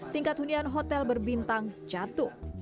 tingkat hunian hotel berbintang jatuh